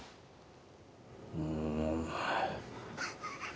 うん。